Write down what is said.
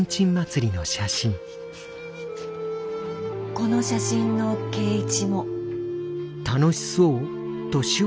この写真の圭一も。